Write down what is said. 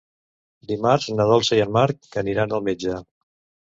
Dimarts na Dolça i en Marc aniran al metge.